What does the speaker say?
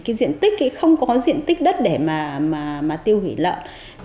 cái diện tích thì không có diện tích đất để mà tiêu hủy lợn